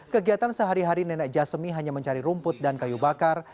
kegiatan sehari hari nenek jasemi hanya mencari rumput dan kayu bakar